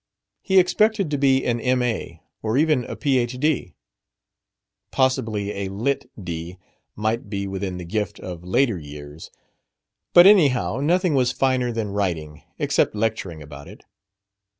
He expected to be an M.A., or even a Ph.D. Possibly a Litt.D. might be within the gift of later years. But, anyhow, nothing was finer than "writing" except lecturing about it.